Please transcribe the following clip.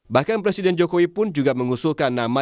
bahkan presiden jokowi pun juga mengusulkan nama